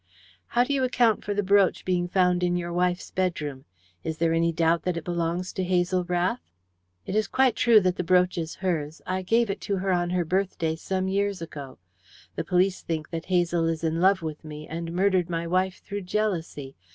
"How do you account for the brooch being found in your wife's bedroom? Is there any doubt that it belongs to Hazel Rath?" "It is quite true that the brooch is hers. I gave it to her on her birthday, some years ago. The police think that Hazel is in love with me, and murdered my wife through jealousy.